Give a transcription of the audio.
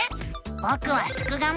ぼくはすくがミ！